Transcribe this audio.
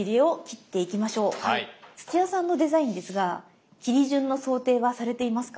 土屋さんのデザインですが切り順の想定はされていますか？